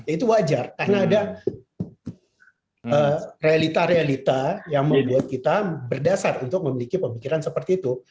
itu wajar karena ada realita realita yang membuat kita berdasar untuk memiliki pemikiran seperti itu